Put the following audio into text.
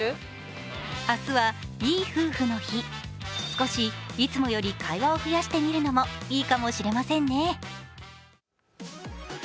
少しいつもより会話を増やしてみるのもいいかもしれませんね。